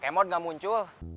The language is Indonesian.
kamon gak muncul